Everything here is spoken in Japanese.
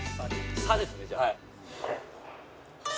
「さ」ですねじゃあ。